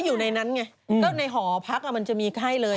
อยู่ในนั้นไงก็ในหอพักมันจะมีไข้เลย